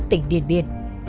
tỉnh điện biên